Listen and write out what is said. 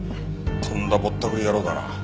とんだぼったくり野郎だな。